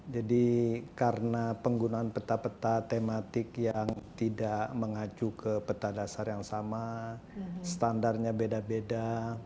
jadi karena penggunaan peta peta tematik yang tidak mengacu ke peta dasar yang sama standarnya beda beda